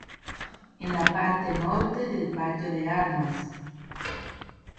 En la parte norte del patio de armas.